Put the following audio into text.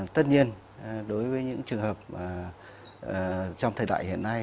tất nhiên đối với những trường hợp trong thời đại hiện nay